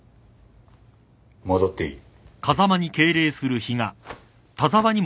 戻っていい。